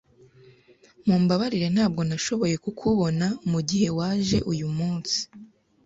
Mumbabarire ntabwo nashoboye kukubona mugihe waje uyu munsi.